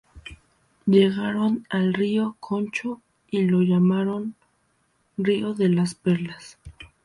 Llegaron al río Concho, y lo llamaron "río de las Perlas".